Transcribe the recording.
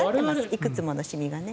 いくつものシミがね。